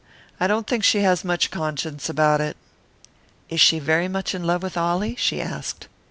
"I don't think she has much conscience about it." "Is she very much in love with Ollie?" she asked.